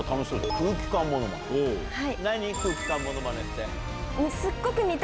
空気感ものまねって。